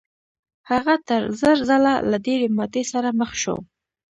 هغه تر زر ځله له ډېرې ماتې سره مخ شو.